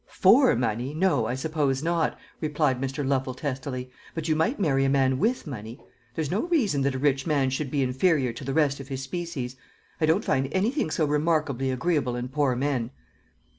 "For money; no, I suppose not," replied Mr. Lovel testily; "but you might marry a man with money. There's no reason that a rich man should be inferior to the rest of his species. I don't find anything so remarkably agreeable in poor men."